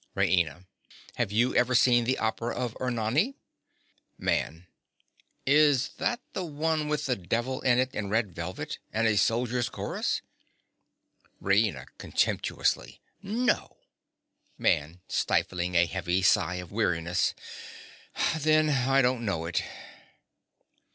RAINA. Have you ever seen the opera of Ernani? MAN. Is that the one with the devil in it in red velvet, and a soldier's chorus? RAINA. (contemptuously). No! MAN. (stifling a heavy sigh of weariness). Then I don't know it.